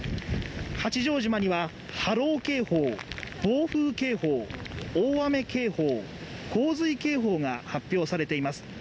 八丈島には波浪警報、暴風警報大雨警報、洪水警報が発表されています。